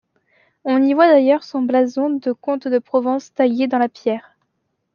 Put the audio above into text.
On y voit d’ailleurs son blason de comte de Provence taillé dans la pierre.